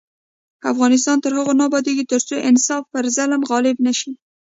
افغانستان تر هغو نه ابادیږي، ترڅو انصاف پر ظلم غالب نشي.